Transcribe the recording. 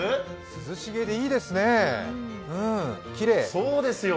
涼しげでいいですね、うん、きれい。